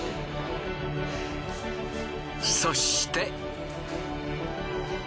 そして。